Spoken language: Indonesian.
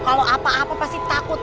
kalau apa apa pasti takut